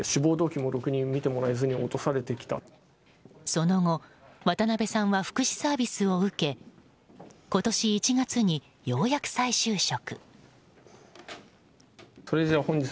その後、渡邊さんは福祉サービスを受け今年１月に、ようやく再就職。